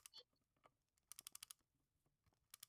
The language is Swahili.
Kiongozi alikasirishwa na matokeo.